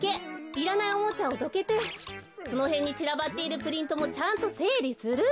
いらないおもちゃをどけてそのへんにちらばっているプリントもちゃんとせいりする！